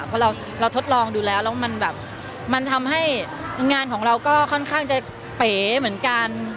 เพราะเราทดลองดูแล้วแล้วมันแบบมันทำให้งานของเราก็ค่อนข้างจะเป๋เหมือนกัน